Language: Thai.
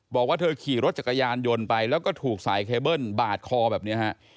บอกว่าเธอขี่รถจักรยานยนต์ไปแล้วก็ถูกสายเคเบิ้ลบาดคอแบบนี้ฮะ